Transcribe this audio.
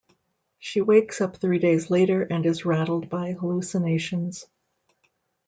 She wakes up three days later and is rattled by hallucinations.